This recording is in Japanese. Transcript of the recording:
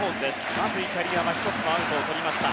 まずイタリアが１つアウトをとりました。